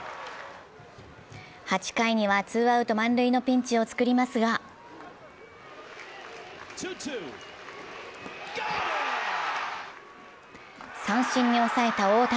８回にはツーアウト満塁のピンチを作りますが三振に抑えた大谷。